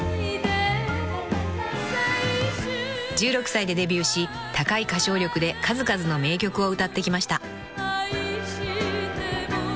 ［１６歳でデビューし高い歌唱力で数々の名曲を歌ってきました］